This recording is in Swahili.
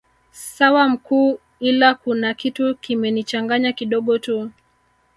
Sawa mkuu ila kuna kitu kimenichanganya kidogo tu